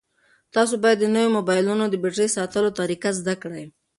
تاسو باید د نویو موبایلونو د بېټرۍ ساتلو طریقه زده کړئ.